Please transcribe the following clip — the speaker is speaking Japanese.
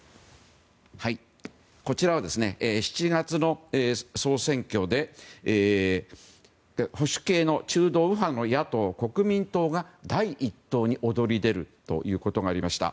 こちらは７月の総選挙で保守系の中道右派の野党・国民党が第１党に躍り出るということがありました。